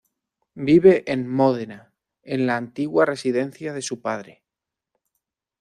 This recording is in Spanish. Vive en Módena, en la antigua residencia de su padre.